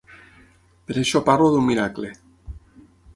Per això parlo d’un miracle.